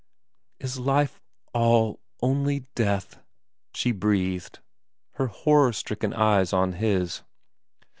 ' Is life all only death ?' she breathed, her horror stricken eyes on his.